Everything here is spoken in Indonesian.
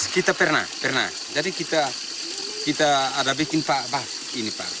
kita pernah pernah jadi kita ada bikin pak bah ini pak